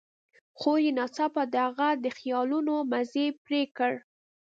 خور يې ناڅاپه د هغه د خيالونو مزی پرې کړ.